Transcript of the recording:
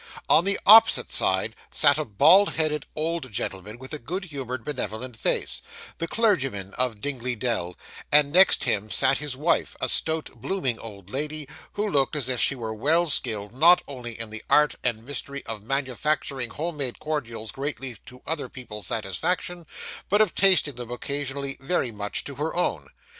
On the opposite side sat a bald headed old gentleman, with a good humoured, benevolent face the clergyman of Dingley Dell; and next him sat his wife, a stout, blooming old lady, who looked as if she were well skilled, not only in the art and mystery of manufacturing home made cordials greatly to other people's satisfaction, but of tasting them occasionally very much to her own.